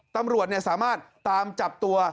ตำรวจสามารถตามจับตัว